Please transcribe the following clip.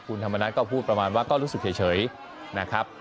คุณธรรมนัฐก็พูดประมาณว่าก็รู้สึกเฉยนะครับ